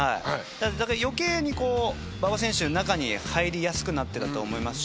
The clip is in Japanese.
だから余計にこう馬場選手中に入りやすくなってたと思いますし。